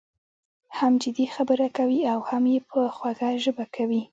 هم جدي خبره کوي او هم یې په خوږه ژبه کوي.